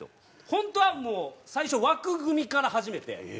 本当はもう最初枠組みから始めて。